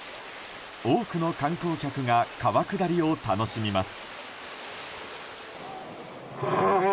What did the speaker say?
多くの観光客が川下りを楽しみます。